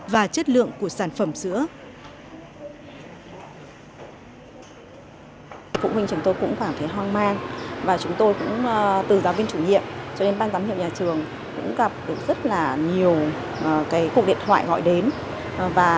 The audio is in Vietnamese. và chất lượng của sản phẩm sữa